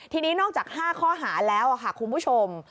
ทีนี้นอกจาก๕ข้อหาแล้วค่ะคุณผู้ชม